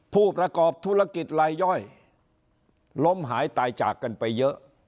ผู้ประกอบธุรกิจลายย่อยล้มหายตายจากกันไปเยอะ